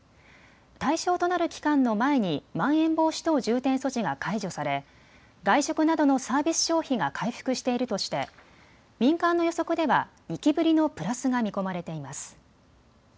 対象となる期間の前にまん延防止等重点措置が解除され、外食などのサービス消費が回復しているとして民間の予測では２期ぶりのプラスが見込まれています。